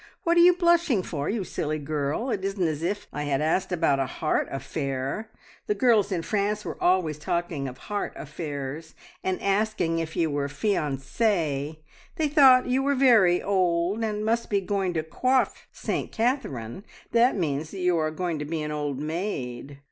What are you blushing for, you silly girl? It isn't as if I had asked about a heart affair. The girls in France were always talking of heart affairs, and asking if you were fiancee. They thought you were very old, and must be going to coif Saint Catherine. That means that you are going to be an old maid.